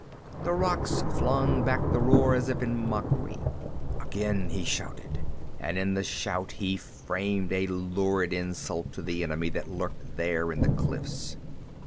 The rocks flung back the roar as if in mockery. Again he shouted and in the shout he framed a lurid insult to the enemy that lurked there in the cliffs.